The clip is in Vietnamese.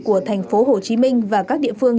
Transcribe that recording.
của thành phố hồ chí minh và các địa phương